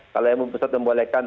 kalau mui pusat membolehkan